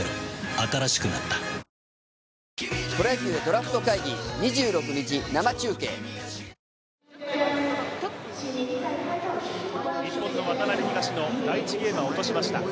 新しくなった日本の渡辺・東野、第１ゲームは落としました。